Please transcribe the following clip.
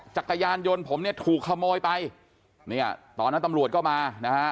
จักรยานยนต์ผมถูกขโมยไปตอนนั้นตำรวจก็มา